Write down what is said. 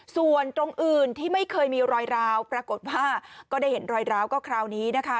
ส่วนตรงอื่นที่ไม่เคยมีรอยราวปรากฏว่าก็ได้เห็นรอยร้าวก็คราวนี้นะคะ